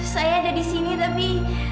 saya ada di sini tapi